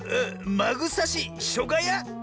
「まぐさし」「しょがや」！